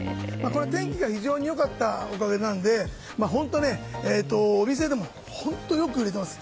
天気が非常に良かったおかげなのでお店でも本当よく売れています。